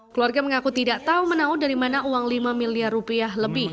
keluarga mengaku tidak tahu menau dari mana uang lima miliar rupiah lebih